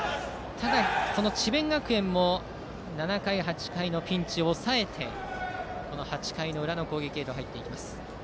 ただ智弁学園も７回、８回のピンチを抑えてこの８回の裏の攻撃へ入ります。